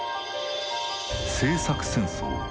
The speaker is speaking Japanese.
「政策戦争」